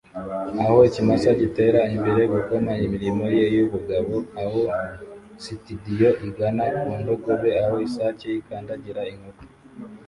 Aho ikimasa gitera imbere gukora imirimo ye yubugabo, aho sitidiyo igana ku ndogobe, aho isake ikandagira inkoko,